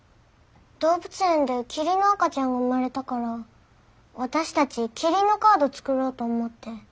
動物園でキリンの赤ちゃんが生まれたから私たちキリンのカード作ろうと思って。